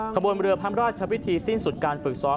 ขบวนเรือพระราชพิธีสิ้นสุดการฝึกซ้อม